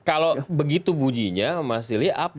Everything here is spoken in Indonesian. kalau begitu bujinya mas silly